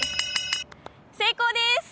成功です。